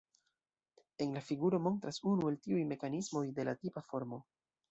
En la figuro montras unu el tiuj mekanismoj, de la tipa formo.